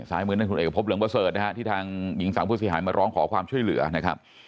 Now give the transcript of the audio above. มือนั่นคุณเอกพบเหลืองประเสริฐนะฮะที่ทางหญิงสาวผู้เสียหายมาร้องขอความช่วยเหลือนะครับ